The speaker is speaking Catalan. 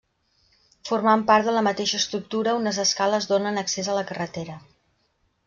Formant part de la mateixa estructura unes escales donen accés a la carretera.